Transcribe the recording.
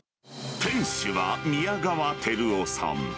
店主は宮川輝雄さん。